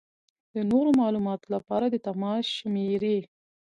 د نورو معلومات لپاره د تماس شمېرې: